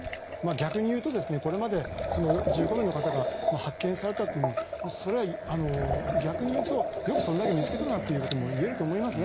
逆に言うとこれまで１５名の方が発見されたというのは逆に言うと、よくそれだけ見つけたなということは言えると思います。